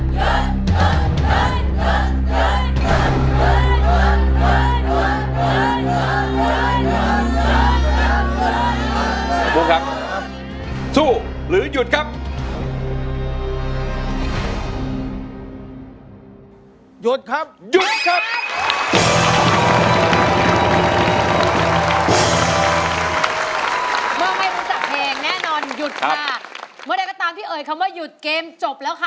ค่ะถ้าไม่รู้จักเพลงแน่นอนหยุดค่ะเมื่อแบบเธอตามที่เอ๋ยคำว่าหยุดเกมจบแล้ว